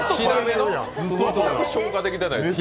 全く消化できてないですね。